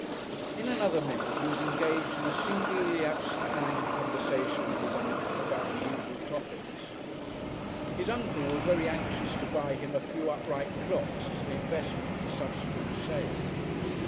In another minute he was engaged in a singularly absent minded conversation with his Uncle about the usual topics. His Uncle was very anxious to buy him a few upright clocks as an investment for subsequent sale.